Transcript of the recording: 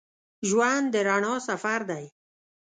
ژوند د رڼا سفر دی.